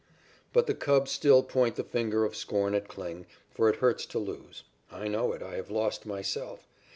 But the Cubs still point the finger of scorn at Kling, for it hurts to lose. I know it, I have lost myself.